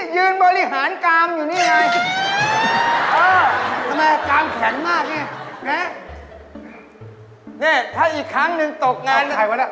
ยืนบริหารกามอยู่นี่ไงทำไมกามแขนมากนี่ถ้าอีกครั้งนึงตกงาน